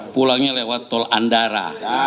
pulangnya lewat tol andara